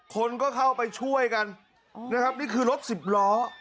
คนก็เข้าไปช่วยกันนะครับนี่คือรถสิบล้อ